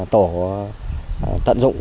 tổ tận dụng